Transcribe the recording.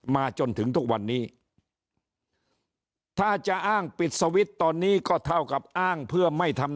มาจนถึงทุกวันนี้ถ้าจะอ้างปิดสวิตช์ตอนนี้ก็เท่ากับอ้างเพื่อไม่ทำ